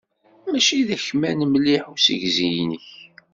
Mačči d akman mliḥ usegzi-k.